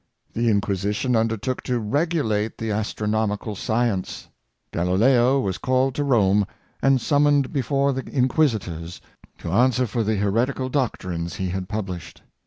The Inquisition undertook to regulate the astronomical science. Galileo was called to Rome and summoned before the Inquisitors to answer for the heretical doc trines he had published.